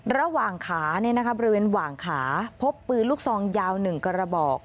ระหว่างขาบริเวณหว่างขาพบปืนลูกซองยาว๑กระบอก